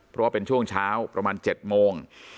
เพราะว่าเป็นช่วงเช้าประมาณ๗โมง